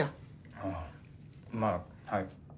ああまあはい。